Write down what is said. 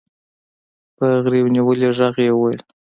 په غريو نيولي ږغ يې وويل.